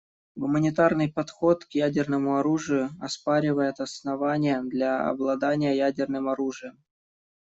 Гуманитарный подход к ядерному оружию оспаривает основания для обладания ядерным оружием.